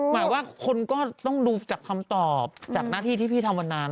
หมายว่าคนก็ต้องดูจากคำตอบจากหน้าที่ที่พี่ทำมานาน